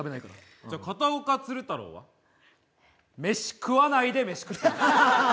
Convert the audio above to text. じゃ、片岡鶴太郎は？メシ食わないでメシ食ってる。